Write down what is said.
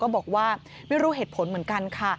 บอกว่าไม่รู้เหตุผลเหมือนกันค่ะ